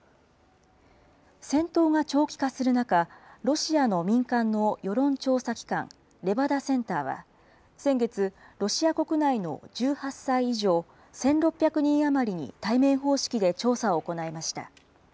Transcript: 戦闘が長期化する中、ロシアの民間の世論調査機関、レバダセンターは、先月、ロシア国内の１８歳以上、１６００人余りに対面方式で調査を行いました。